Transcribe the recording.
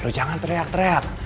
lo jangan teriak teriak